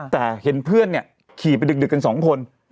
แต่เห็นเพื่อนขี่ไปดึกกัน๒คน